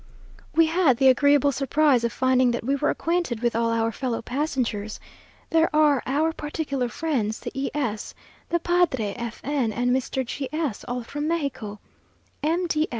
We had the agreeable surprise of finding that we were acquainted with all our fellow passengers. There are our particular friends the E s, the padre F n, and Mr. G s, all from Mexico; M.